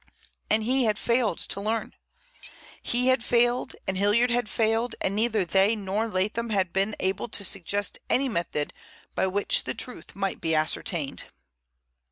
And he had failed to learn. He had failed, and Hilliard had failed, and neither they nor Leatham had been able to suggest any method by which the truth might be ascertained.